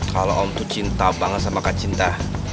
kalo om tuh cinta banget sama kak cinta